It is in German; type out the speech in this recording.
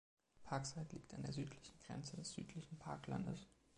Parkside liegt an der südlichen Grenze des südlichen Parklandes.